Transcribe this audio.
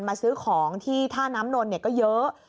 มาซื้อของที่ท่าน้ำนนท์เนี่ยก็เยอะ